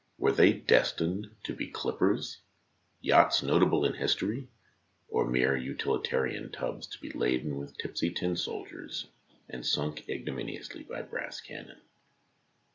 Were they destined to be clippers, yachts notable in history, or mere utilitarian tubs to be laden with tipsy tin soldiers and sunk ignominiously by brass cannon?